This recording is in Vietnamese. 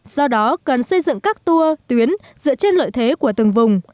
do đó cần xây dựng các tour tuyến dựa trên lợi thế của từng vùng